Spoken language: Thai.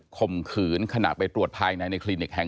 ค่ำขื่นขนาดไปตรวจภายในในคลีนิคแห่ง๑